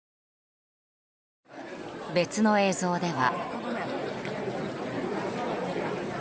別の映像では。